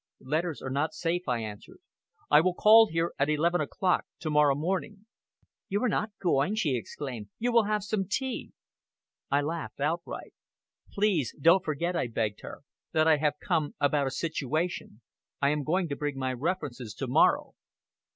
"Letters are not safe," I answered. "I will call here at eleven o'clock to morrow morning." "You are not going," she exclaimed. "You will have some tea?" I laughed outright. "Please don't forget," I begged her, "that I have come about a situation. I am going to bring my references to morrow."